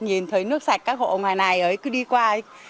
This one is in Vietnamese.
nhìn thấy nước sạch các hộ ngoài này cứ đi qua ấy